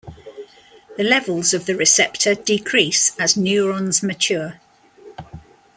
The levels of the receptor decrease as neurons mature.